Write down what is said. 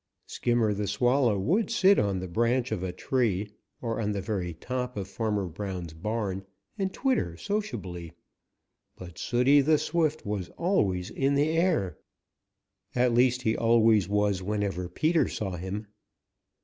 Skimmer the Swallow would sit on the branch of a tree, or on the very top of Farmer Brown's barn, and twitter sociably. But Sooty the Swift was always in the air. At least, he always was whenever Peter saw him.